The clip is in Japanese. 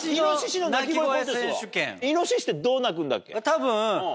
多分。